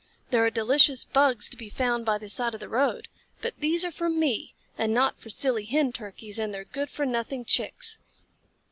There are delicious Bugs to be found by the side of the road. But these are for me, and not for silly Hen Turkeys and their good for nothing Chicks."